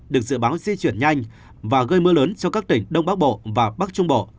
được dự báo di chuyển nhanh và gây mưa lớn cho các tỉnh đông bắc bộ và bắc trung bộ